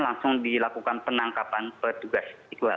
langsung dilakukan penangkapan petugas